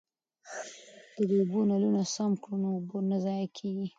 که د اوبو نلونه سم کړو نو اوبه نه ضایع کیږي.